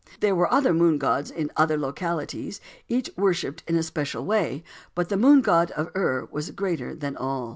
There were other moon gods in other localities, each worshipped in a special way, but the Moon God of Ur was greater than all.